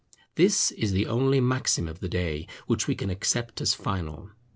This is the only maxim of the day which we can accept as final.